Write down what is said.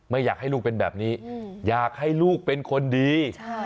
ไม่อยากให้ลูกเป็นแบบนี้อยากให้ลูกเป็นคนดี